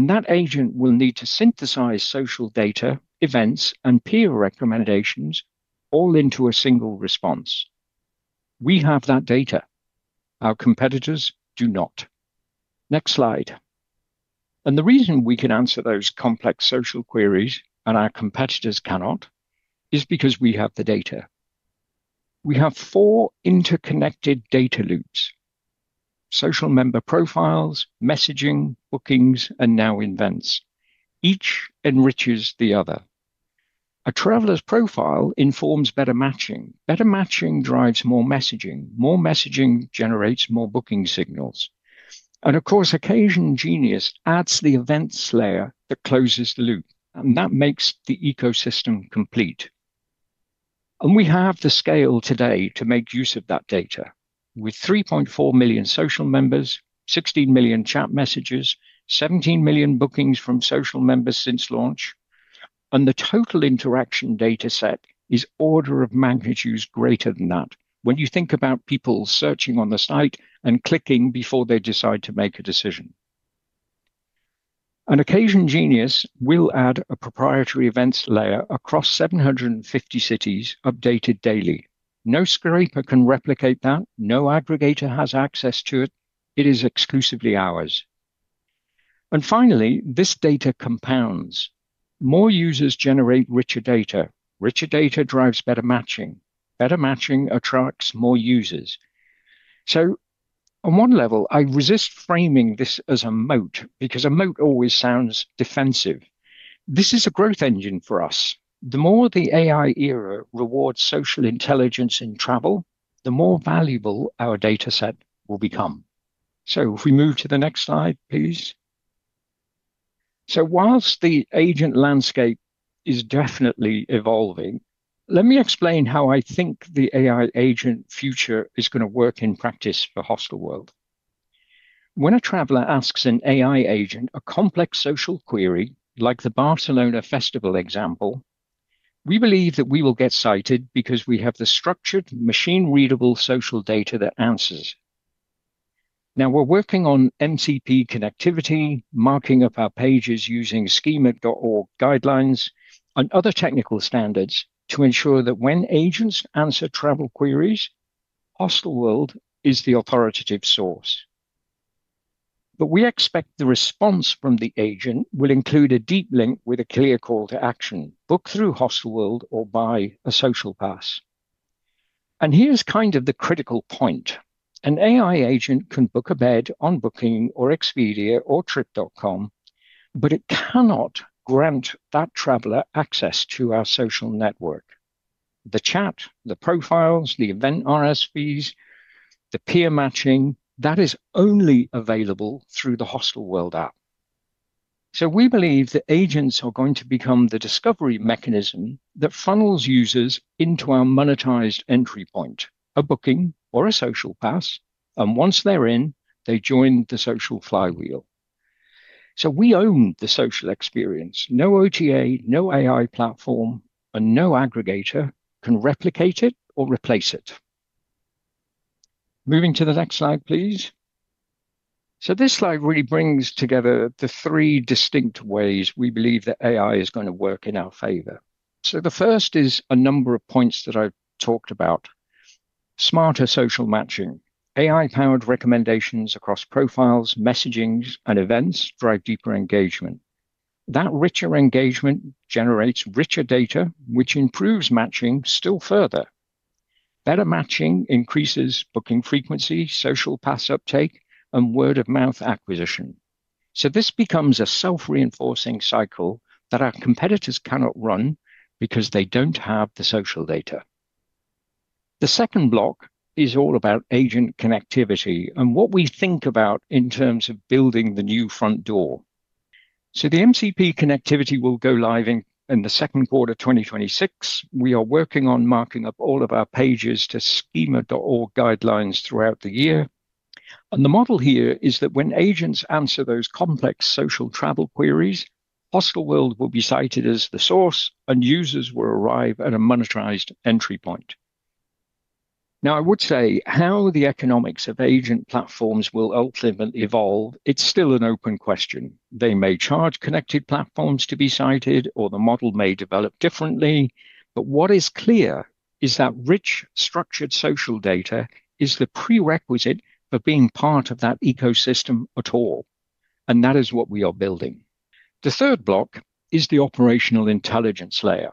That agent will need to synthesize social data, events, and peer recommendations all into a single response. We have that data. Our competitors do not. Next slide. The reason we can answer those complex social queries and our competitors cannot is because we have the data. We have four interconnected data loops, social member profiles, messaging, bookings, and now events. Each enriches the other. A traveler's profile informs better matching. Better matching drives more messaging. More messaging generates more booking signals. Of course, OccasionGenius adds the events layer that closes the loop, and that makes the ecosystem complete. We have the scale today to make use of that data. With 3.4 million social members, 16 million chat messages, 17 million bookings from social members since launch, and the total interaction data set is order of magnitudes greater than that when you think about people searching on the site and clicking before they decide to make a decision. OccasionGenius will add a proprietary events layer across 750 cities updated daily. No scraper can replicate that. No aggregator has access to it. It is exclusively ours. Finally, this data compounds. More users generate richer data. Richer data drives better matching. Better matching attracts more users. On one level, I resist framing this as a moat because a moat always sounds defensive. This is a growth engine for us. The more the AI era rewards social intelligence in travel, the more valuable our data set will become. If we move to the next slide, please. Whilst the agent landscape is definitely evolving, let me explain how I think the AI agent future is gonna work in practice for Hostelworld. When a traveler asks an AI agent a complex social query, like the Barcelona festival example, we believe that we will get cited because we have the structured machine-readable social data that answers. Now we're working on MCP connectivity, marking up our pages using schema.org guidelines and other technical standards to ensure that when agents answer travel queries, Hostelworld is the authoritative source. We expect the response from the agent will include a deep link with a clear call to action, book through Hostelworld or buy a social pass. Here's kind of the critical point. An AI agent can book a bed on Booking or Expedia or Trip.com, but it cannot grant that traveler access to our social network. The chat, the profiles, the event RSVPs, the peer matching, that is only available through the Hostelworld app. We believe that agents are going to become the discovery mechanism that funnels users into our monetized entry point, a booking or a Social Pass, and once they're in, they join the social flywheel. We own the social experience. No OTA, no AI platform, and no aggregator can replicate it or replace it. Moving to the next slide, please. This slide really brings together the three distinct ways we believe that AI is gonna work in our favor. The first is a number of points that I've talked about. Smarter social matching. AI-powered recommendations across profiles, messagings, and events drive deeper engagement. That richer engagement generates richer data, which improves matching still further. Better matching increases booking frequency, Social Pass uptake, and word-of-mouth acquisition. This becomes a self-reinforcing cycle that our competitors cannot run because they don't have the social data. The second block is all about agent connectivity and what we think about in terms of building the new front door. The MCP connectivity will go live in the second quarter 2026. We are working on marking up all of our pages to schema.org guidelines throughout the year. The model here is that when agents answer those complex social travel queries, Hostelworld will be cited as the source, and users will arrive at a monetized entry point. Now I would say how the economics of agent platforms will ultimately evolve, it's still an open question. They may charge connected platforms to be cited or the model may develop differently. What is clear is that rich structured social data is the prerequisite for being part of that ecosystem at all, and that is what we are building. The third block is the operational intelligence layer.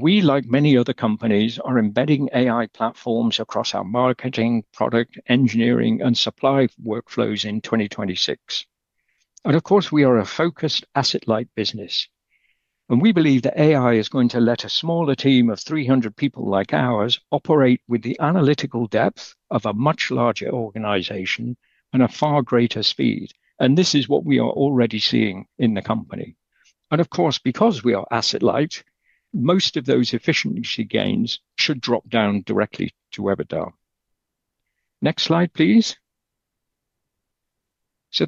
We, like many other companies, are embedding AI platforms across our marketing, product, engineering, and supply workflows in 2026. Of course, we are a focused asset-light business, and we believe that AI is going to let a smaller team of 300 people like ours operate with the analytical depth of a much larger organization and a far greater speed. This is what we are already seeing in the company. Of course, because we are asset-light, most of those efficiency gains should drop down directly to EBITDA. Next slide, please.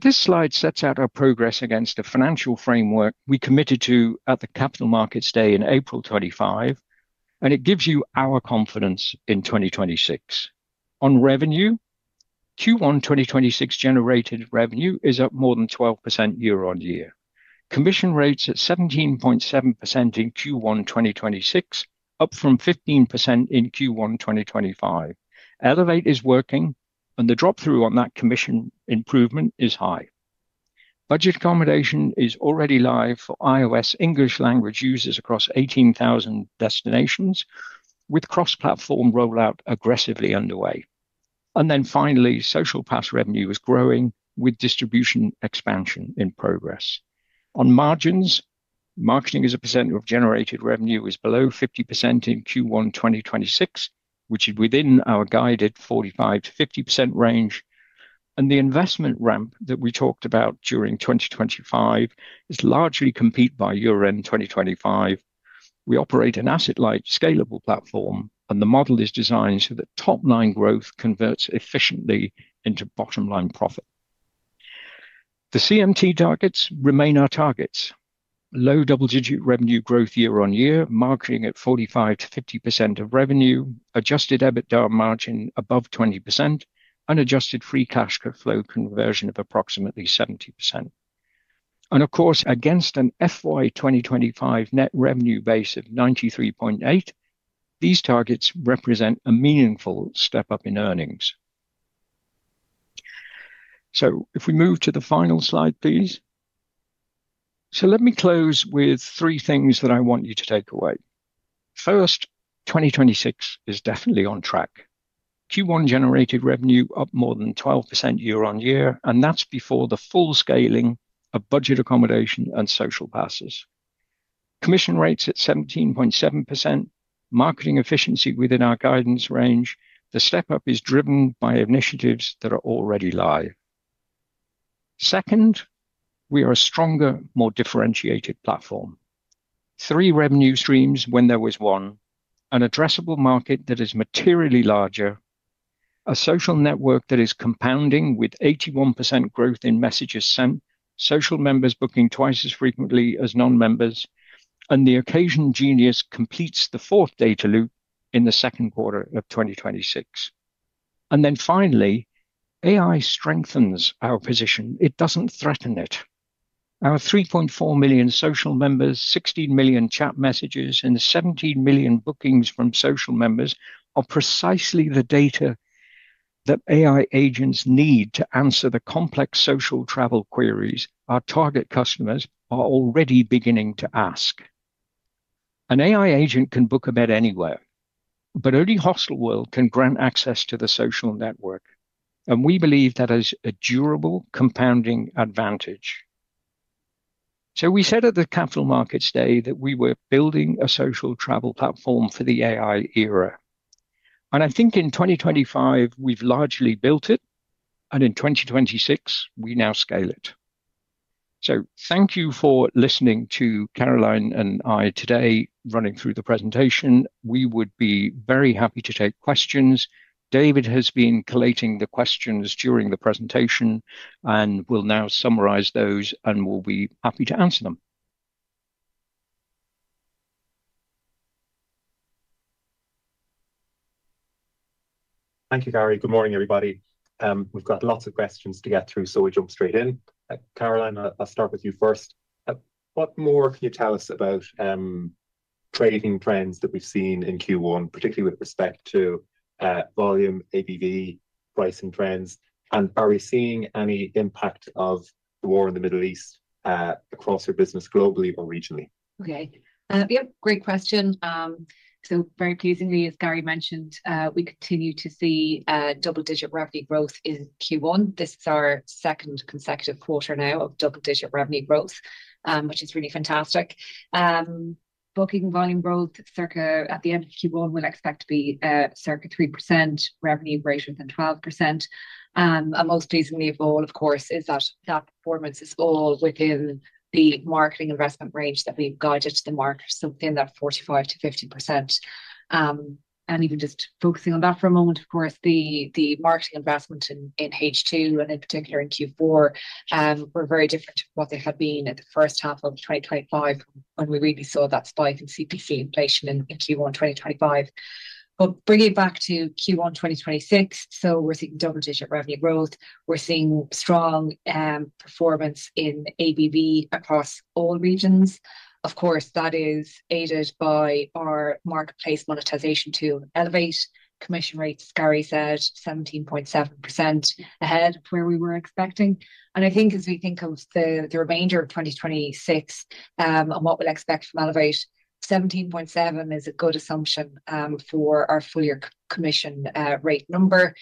This slide sets out our progress against the financial framework we committed to at the Capital Markets Day in April 2025, and it gives you our confidence in 2026. On revenue, Q1 2026 generated revenue is up more than 12% year-on-year. Commission rates at 17.7% in Q1 2026, up from 15% in Q1 2025. Elevate is working, and the drop-through on that commission improvement is high. Budget accommodation is already live for iOS English language users across 18,000 destinations, with cross-platform rollout aggressively underway. Then finally, Social Pass revenue is growing with distribution expansion in progress. On margins, marketing as a percent of generated revenue is below 50% in Q1 2026, which is within our guided 45%-50% range. The investment ramp that we talked about during 2025 is largely complete by year-end 2025. We operate an asset-light scalable platform, and the model is designed so that top-line growth converts efficiently into bottom-line profit. The CMD targets remain our targets. Low double-digit revenue growth year-on-year, marketing at 45%-50% of revenue, adjusted EBITDA margin above 20% and adjusted free cash flow conversion of approximately 70%. Of course, against an FY 2025 net revenue base of 93.8, these targets represent a meaningful step up in earnings. If we move to the final slide, please. Let me close with three things that I want you to take away. First, 2026 is definitely on track. Q1 generated revenue up more than 12% year-on-year, and that's before the full scaling of budget accommodation and Social Passes. Commission rates at 17.7%, marketing efficiency within our guidance range. The step-up is driven by initiatives that are already live. Second, we are a stronger, more differentiated platform. Three revenue streams when there was one. An addressable market that is materially larger. A social network that is compounding with 81% growth in messages sent. Social members booking twice as frequently as non-members. The OccasionGenius completes the fourth data loop in the second quarter of 2026. Finally, AI strengthens our position. It doesn't threaten it. Our 3.4 million social members, 16 million chat messages, and 17 million bookings from social members are precisely the data that AI agents need to answer the complex social travel queries our target customers are already beginning to ask. An AI agent can book a bed anywhere, but only Hostelworld can grant access to the social network, and we believe that is a durable compounding advantage. We said at the Capital Markets Day that we were building a social travel platform for the AI era, and I think in 2025 we've largely built it, and in 2026, we now scale it. Thank you for listening to Caroline and I today running through the presentation. We would be very happy to take questions. David has been collating the questions during the presentation and will now summarize those, and we'll be happy to answer them. Thank you, Gary. Good morning, everybody. We've got lots of questions to get through, so we'll jump straight in. Caroline, I'll start with you first. What more can you tell us about trading trends that we've seen in Q1, particularly with respect to volume, ABV, pricing trends? Are we seeing any impact of the war in the Middle East across your business globally or regionally? Okay. Yeah, great question. Very pleasingly, as Gary mentioned, we continue to see double-digit revenue growth in Q1. This is our second consecutive quarter now of double-digit revenue growth, which is really fantastic. Booking volume growth circa at the end of Q1 will expect to be circa 3%, revenue greater than 12%. Most pleasingly of all, of course, is that performance is all within the marketing investment range that we've guided to the market, so within that 45%-50%. Even just focusing on that for a moment, of course, the marketing investment in H2 and in particular in Q4 were very different to what they had been at the first half of 2025 when we really saw that spike in CPC inflation in Q1 2025. Bringing it back to Q1 2026, so we're seeing double-digit revenue growth. We're seeing strong performance in ABV across all regions. Of course, that is aided by our marketplace monetization tool, Elevate. Commission rates, Gary said 17.7% ahead of where we were expecting. I think as we think of the remainder of 2026, and what we'll expect from Elevate, 17.7% is a good assumption for our full-year commission rate number.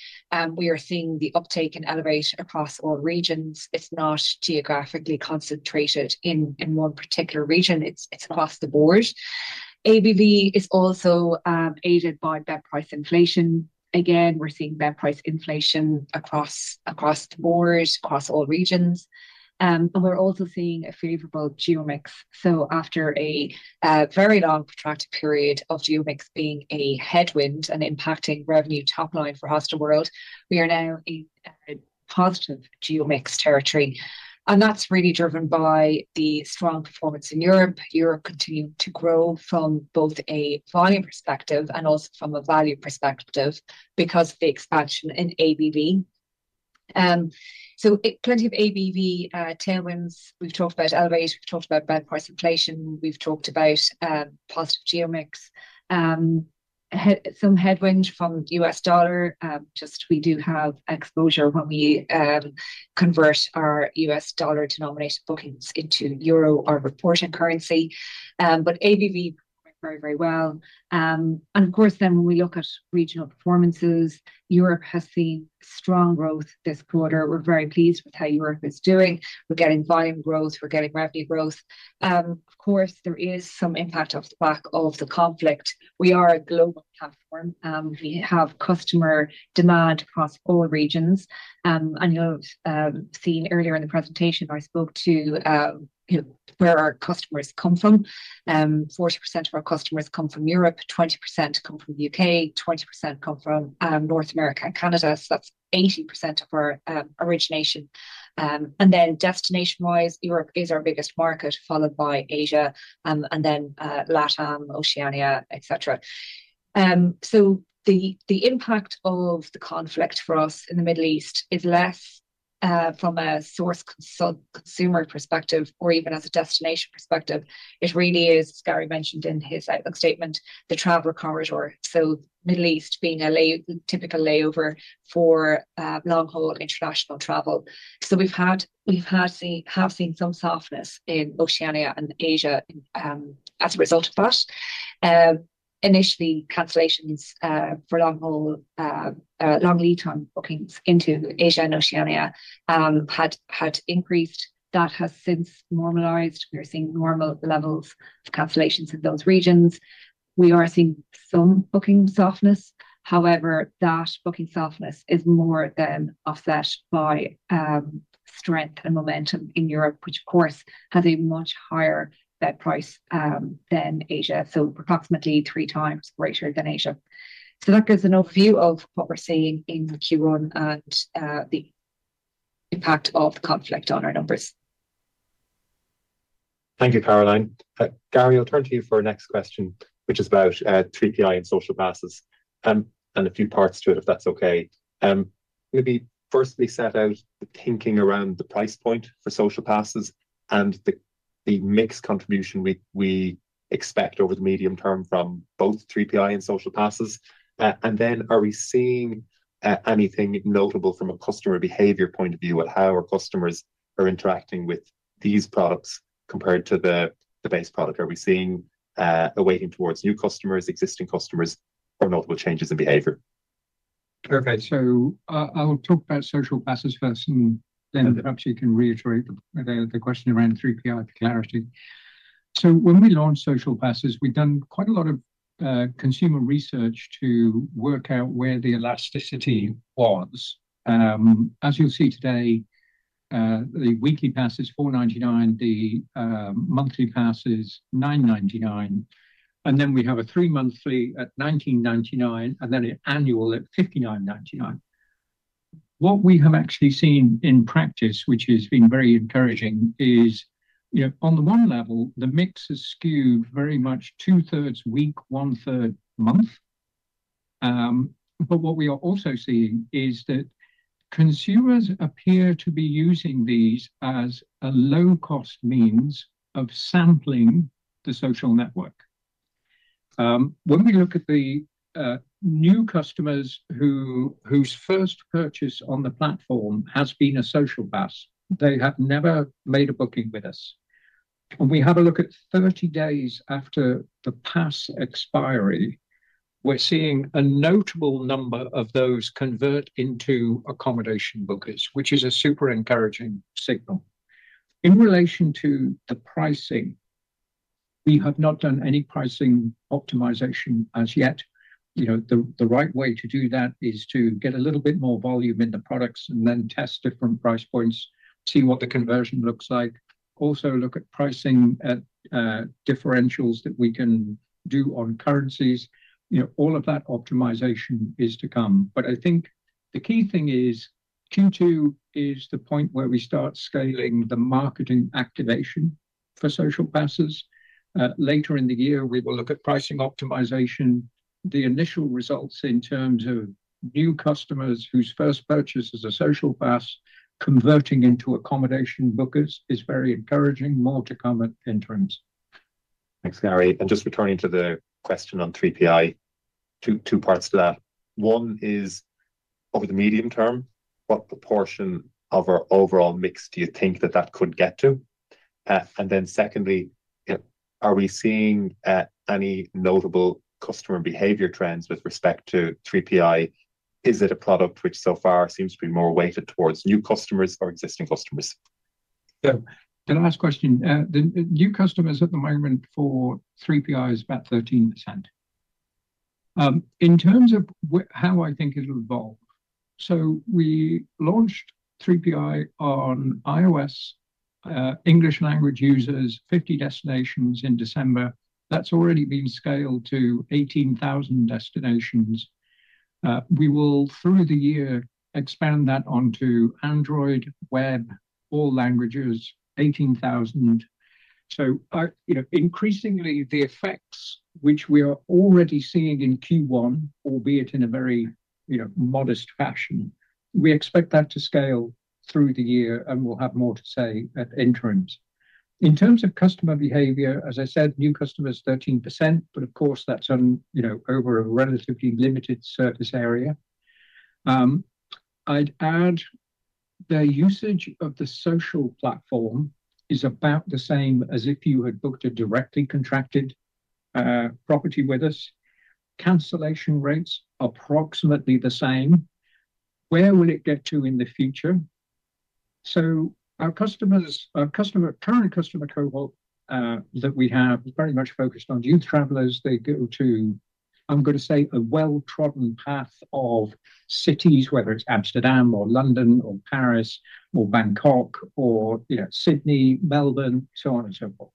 We are seeing the uptake in Elevate across all regions. It's not geographically concentrated in one particular region. It's across the board. ABV is also aided by bed price inflation. Again, we're seeing bed price inflation across the board, across all regions. We're also seeing a favorable geo mix. After a very long protracted period of geo mix being a headwind and impacting revenue top line for Hostelworld, we are now in positive geo mix territory, and that's really driven by the strong performance in Europe. Europe, continuing to grow from both a volume perspective and also from a value perspective because of the expansion in ABV. Plenty of ABV tailwinds. We've talked about Elevate. We've talked about bed price inflation. We've talked about positive geo mix. Some headwind from U.S. Dollar. Just, we do have exposure when we convert our U.S. Dollar-denominated bookings into euro, our reporting currency. ABV very, very well. Of course, then when we look at regional performances, Europe has seen strong growth this quarter. We're very pleased with how Europe is doing. We're getting volume growth. We're getting revenue growth. Of course, there is some impact off the back of the conflict. We are a global platform. We have customer demand across all regions. You'll have seen earlier in the presentation I spoke to, you know, where our customers come from. 40% of our customers come from Europe, 20% come from the U.K., 20% come from North America and Canada. That's 80% of our origination. Then destination-wise, Europe is our biggest market, followed by Asia, and then LatAm, Oceania, et cetera. The impact of the conflict for us in the Middle East is less from a source consumer perspective or even as a destination perspective. It really is, as Gary mentioned in his outlook statement, the traveler corridor. Middle East being a typical layover for long-haul international travel. We've seen some softness in Oceania and Asia as a result of that. Initially, cancellations for long-haul long lead time bookings into Asia and Oceania had increased. That has since normalized. We're seeing normal levels of cancellations in those regions. We are seeing some booking softness. However, that booking softness is more than offset by strength and momentum in Europe, which of course has a much higher bed price than Asia. Approximately 3x greater than Asia. That gives an overview of what we're seeing in Q1 and the impact of the conflict on our numbers. Thank you, Caroline. Gary, I'll turn to you for our next question, which is about 3PI and Social Passes. A few parts to it, if that's okay. Maybe firstly set out the thinking around the price point for Social Passes and the mix contribution we expect over the medium term from both 3PI and Social Passes. Are we seeing anything notable from a customer behavior point of view at how our customers are interacting with these products compared to the base product? Are we seeing a weighting towards new customers, existing customers, or notable changes in behavior? Okay. I'll talk about Social Passes first and then. Okay Perhaps you can reiterate the question around 3PI for clarity. When we launched Social Passes, we'd done quite a lot of consumer research to work out where the elasticity was. As you'll see today, the weekly pass is 4.99, the monthly pass is 9.99, and then we have a three-monthly at 19.99, and then an annual at 59.99. What we have actually seen in practice, which has been very encouraging, is, you know, on the one level, the mix is skewed very much two-thirds week, 1/3 month. But what we are also seeing is that consumers appear to be using these as a low-cost means of sampling the social network. When we look at the new customers whose first purchase on the platform has been a Social Pass, they have never made a booking with us. When we have a look at 30 days after the pass expiry, we're seeing a notable number of those convert into accommodation bookers, which is a super encouraging signal. In relation to the pricing, we have not done any pricing optimization as yet. You know, the right way to do that is to get a little bit more volume in the products and then test different price points, see what the conversion looks like. Also look at pricing at differentials that we can do on currencies. You know, all of that optimization is to come. I think the key thing is Q2 is the point where we start scaling the marketing activation for Social Passes. Later in the year, we will look at pricing optimization. The initial results in terms of new customers whose first purchase is a Social Pass converting into accommodation bookers is very encouraging. More to come at interims. Thanks, Gary. Just returning to the question on 3PI, two parts to that. One is over the medium term, what proportion of our overall mix do you think that could get to? Then secondly, you know, are we seeing any notable customer behavior trends with respect to 3PI? Is it a product which so far seems to be more weighted towards new customers or existing customers? Yeah. The last question, the new customers at the moment for 3PI is about 13%. In terms of how I think it'll evolve, so we launched 3PI on iOS, English language users, 50 destinations in December. That's already been scaled to 18,000 destinations. We will, through the year, expand that onto Android, web, all languages, 18,000. So, you know, increasingly, the effects which we are already seeing in Q1, albeit in a very, you know, modest fashion, we expect that to scale through the year, and we'll have more to say at interims. In terms of customer behavior, as I said, new customers 13%, but of course, that's on, you know, over a relatively limited surface area. I'd add. The usage of the social platform is about the same as if you had booked a directly contracted property with us. Cancellation rates approximately the same. Where will it get to in the future? Our current customer cohort that we have is very much focused on youth travelers. They go to, I'm gonna say a well-trodden path of cities, whether it's Amsterdam or London or Paris or Bangkok or, you know, Sydney, Melbourne, so on and so forth.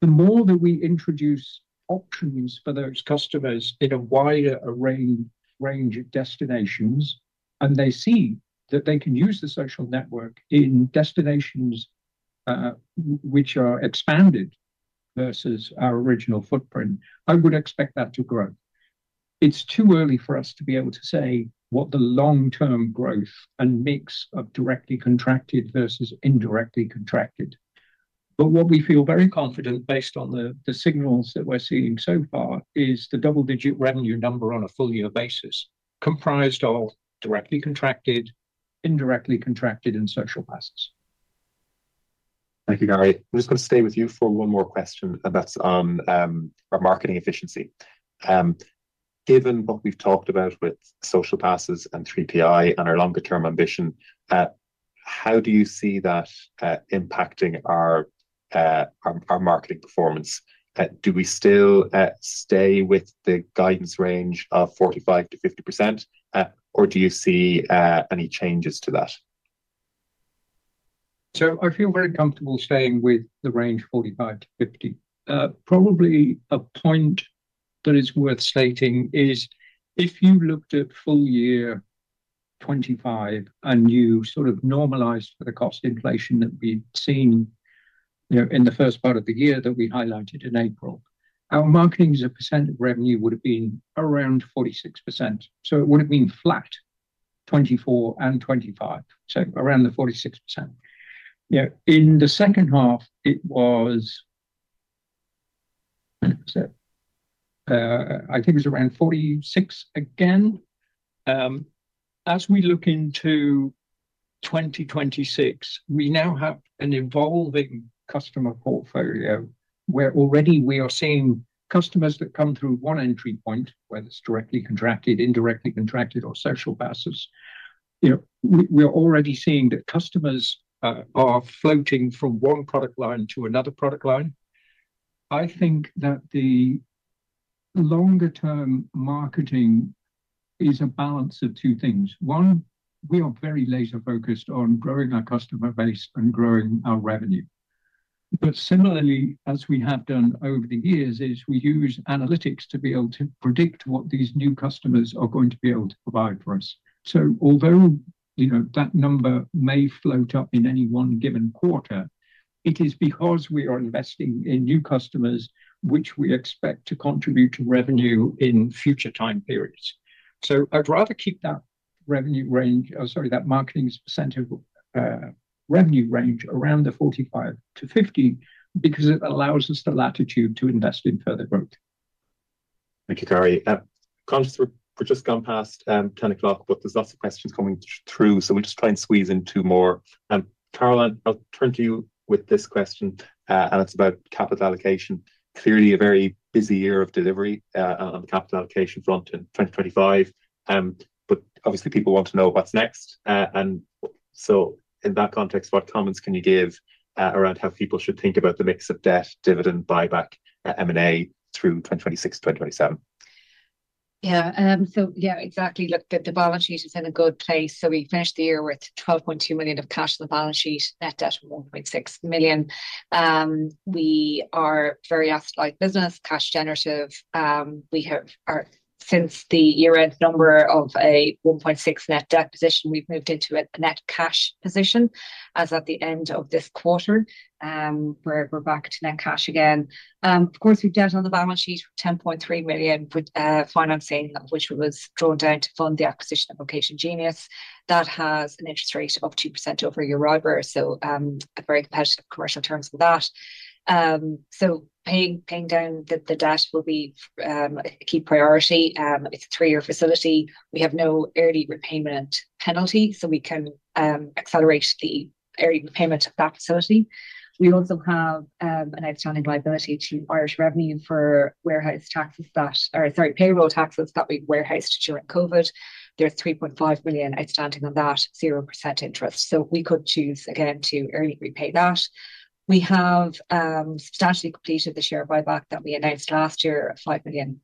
The more that we introduce options for those customers in a wider range of destinations, and they see that they can use the social network in destinations which are expanded versus our original footprint, I would expect that to grow. It's too early for us to be able to say what the long-term growth and mix of directly contracted versus indirectly contracted. What we feel very confident based on the signals that we're seeing so far is the double-digit revenue number on a full year basis, comprised of directly contracted, indirectly contracted, and Social Passes. Thank you, Gary. I'm just gonna stay with you for one more question, and that's on our marketing efficiency. Given what we've talked about with Social Passes and 3PI and our longer term ambition, how do you see that impacting our marketing performance? Do we still stay with the guidance range of 45%-50%, or do you see any changes to that? I feel very comfortable staying with the range 45%-50%. Probably a point that is worth stating is if you looked at full year 2025, and you sort of normalized for the cost inflation that we've seen, you know, in the first part of the year that we highlighted in April, our marketing as a percent of revenue would have been around 46%. It would have been flat 2024 and 2025. Around the 46%. You know, in the second half, it was around 46% again. As we look into 2026, we now have an evolving customer portfolio where already we are seeing customers that come through one entry point, whether it's directly contracted, indirectly contracted or Social Passes. You know, we're already seeing that customers are floating from one product line to another product line. I think that the longer term marketing is a balance of two things. One, we are very laser-focused on growing our customer base and growing our revenue. Similarly, as we have done over the years, is we use analytics to be able to predict what these new customers are going to be able to provide for us. Although, you know, that number may float up in any one given quarter, it is because we are investing in new customers which we expect to contribute to revenue in future time periods. I'd rather keep that revenue range, or sorry, that marketing as a percentage of revenue range around 45%-50%, because it allows us the latitude to invest in further growth. Thank you, Gary. Conscious that we've just gone past 10 o'clock, but there's lots of questions coming through, so we'll just try and squeeze in two more. Caroline, I'll turn to you with this question, and it's about capital allocation. Clearly a very busy year of delivery on the capital allocation front in 2025, but obviously people want to know what's next. In that context, what comments can you give around how people should think about the mix of debt, dividend, buyback, M&A through 2026, 2027? Yeah, exactly. Look, the balance sheet is in a good place. We finished the year with 12.2 million of cash on the balance sheet, net debt of 1.6 million. We are very asset light business, cash generative. Since the year-end number of a 1.6 million net debt position, we've moved into a net cash position as at the end of this quarter, we're back to net cash again. Of course, we have debt on the balance sheet, 10.3 million with financing, which was drawn down to fund the acquisition of OccasionGenius. That has an interest rate of 2% over Euribor, so a very competitive commercial terms with that. Paying down the debt will be a key priority. It's a three-year facility. We have no early repayment penalty, so we can accelerate the early repayment of that facility. We also have an outstanding liability to Irish Revenue for payroll taxes that we warehoused during COVID. There's 3.5 million outstanding on that, 0% interest. We could choose again to early repay that. We have substantially completed the share buyback that we announced last year, a 5 million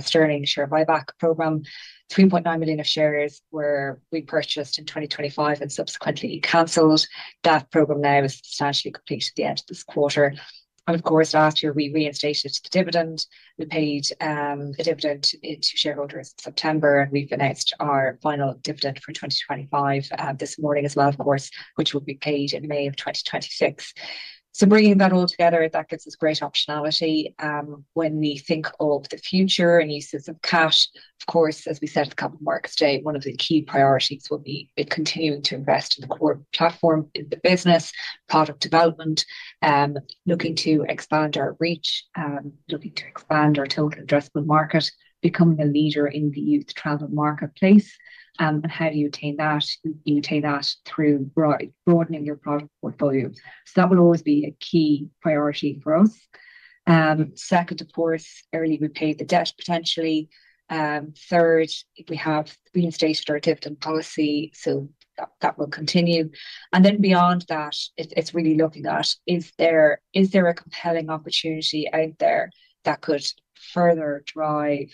sterling share buyback program. 3.9 million of shares were repurchased in 2025 and subsequently canceled. That program now is substantially complete at the end of this quarter. Of course, last year, we reinstated the dividend. We paid a dividend to shareholders in September. We've announced our final dividend for 2025 this morning as well, of course, which will be paid in May of 2026. Bringing that all together, that gives us great optionality when we think of the future and uses of cash. Of course, as we said at the Capital Markets Day, one of the key priorities will be continuing to invest in the core platform in the business, product development, looking to expand our reach, looking to expand our total addressable market, becoming a leader in the youth travel marketplace. How do you attain that? You attain that through broadening your product portfolio. That will always be a key priority for us. Second, of course, early repay the debt potentially. Third, we have reinstated our dividend policy, so that will continue. Beyond that, it's really looking at is there a compelling opportunity out there that could further drive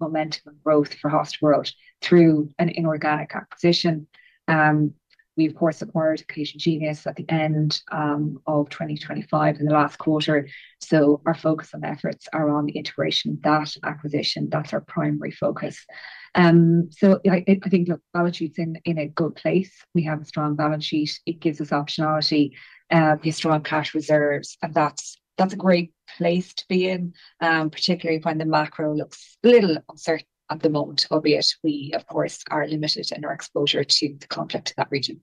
momentum and growth for Hostelworld through an inorganic acquisition. We of course acquired OccasionGenius at the end of 2025 in the last quarter. Our focus and efforts are on the integration of that acquisition. That's our primary focus. I think, look, our balance sheet's in a good place. We have a strong balance sheet. It gives us optionality via strong cash reserves, and that's a great place to be in, particularly when the macro looks a little uncertain at the moment, albeit we, of course, are limited in our exposure to the conflict in that region.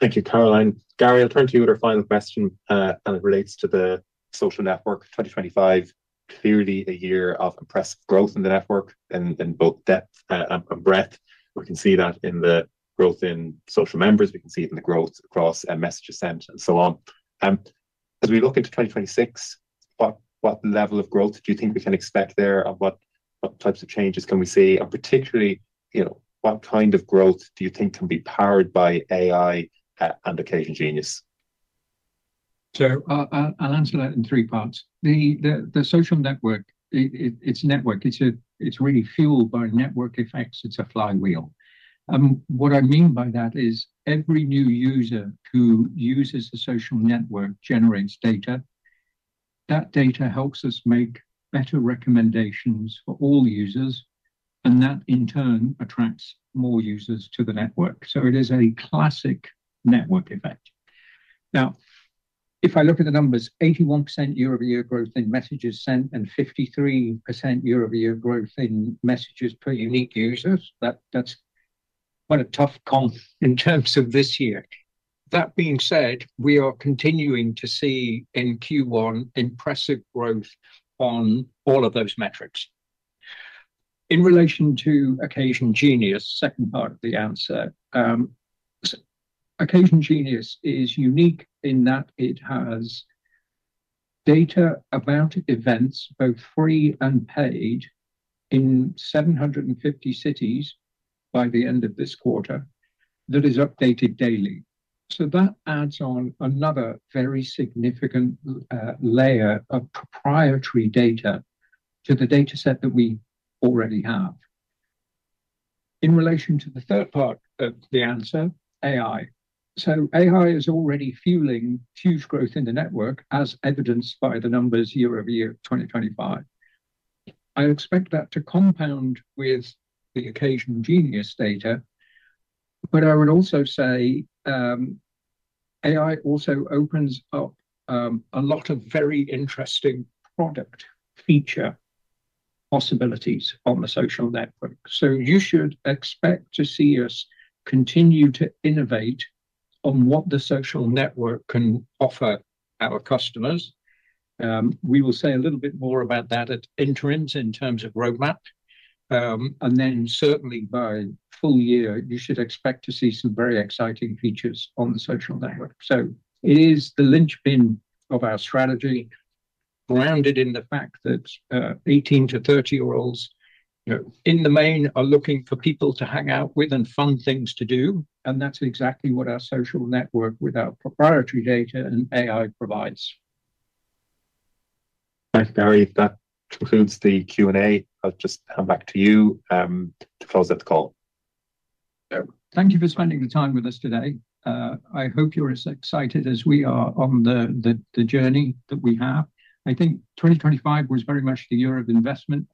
Thank you, Caroline. Gary, I'll turn to you with our final question, and it relates to the social network. 2025, clearly a year of impressive growth in the network in both depth and breadth. We can see that in the growth in social members, we can see it in the growth across messages sent and so on. As we look into 2026, what level of growth do you think we can expect there and what types of changes can we see? Particularly, you know, what kind of growth do you think can be powered by AI and OccasionGenius? I'll answer that in three parts. The social network is really fueled by network effects. It's a flywheel. What I mean by that is every new user who uses the social network generates data. That data helps us make better recommendations for all users, and that in turn attracts more users to the network. It is a classic network effect. Now, if I look at the numbers, 81% year-over-year growth in messages sent and 53% year-over-year growth in messages per unique users, that's quite a tough call in terms of this year. That being said, we are continuing to see in Q1 impressive growth on all of those metrics. In relation to OccasionGenius, second part of the answer. OccasionGenius is unique in that it has data about events, both free and paid, in 750 cities by the end of this quarter that is updated daily. That adds on another very significant layer of proprietary data to the dataset that we already have. In relation to the third part of the answer, AI. AI is already fueling huge growth in the network, as evidenced by the numbers year-over-year 2025. I expect that to compound with the OccasionGenius data, but I would also say, AI also opens up a lot of very interesting product feature possibilities on the social network. You should expect to see us continue to innovate on what the social network can offer our customers. We will say a little bit more about that at Interims in terms of roadmap. Certainly by full year, you should expect to see some very exciting features on the social network. It is the linchpin of our strategy, grounded in the fact that 18-30-year-olds, you know, in the main are looking for people to hang out with and fun things to do. That's exactly what our social network with our proprietary data and AI provides. Thanks, Gary. That concludes the Q&A. I'll just hand back to you, to close out the call. Thank you for spending the time with us today. I hope you're as excited as we are on the journey that we have. I think 2025 was very much the year of investment,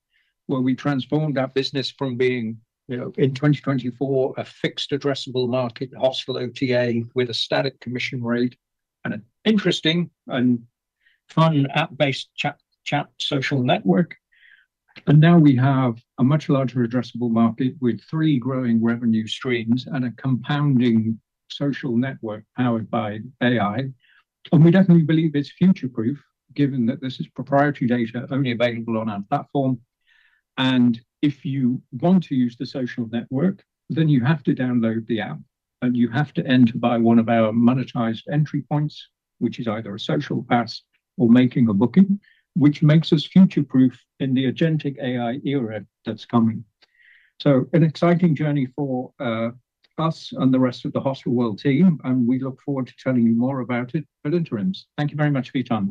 where we transformed our business from being, you know, in 2024, a fixed addressable market hostel OTA with a static commission rate and an interesting and fun app-based chat social network. Now we have a much larger addressable market with three growing revenue streams and a compounding social network powered by AI. We definitely believe it's future-proof, given that this is proprietary data only available on our platform. If you want to use the social network, then you have to download the app, and you have to enter by one of our monetized entry points, which is either a Social Pass or making a booking, which makes us future-proof in the agentic AI era that's coming. An exciting journey for us and the rest of the Hostelworld team, and we look forward to telling you more about it at interims. Thank you very much for your time.